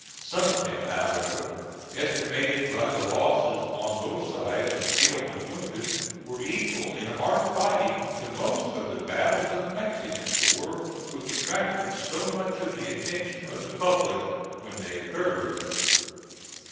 Some of them, however, estimated by the losses on both sides in killed and wounded, were equal in hard fighting to most of the battles of the Mexican war which attracted so much of the attention of the public when they occurred.